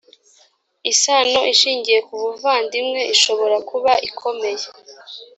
isano ishingiye ku buvandimwe ishobora kuba ikomeye